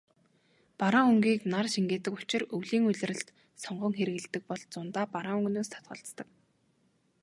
Бараан өнгийг нар шингээдэг учир өвлийн улиралд сонгон хэрэглэдэг бол зундаа бараан өнгөнөөс татгалздаг.